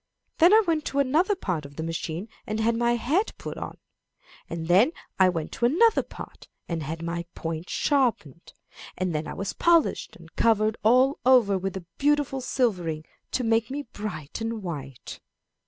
Then I went to another part of the machine and had my head put on; and then I went to another part and had my point sharpened; and then I was polished, and covered all over with a beautiful silvering, to make me bright and white.'"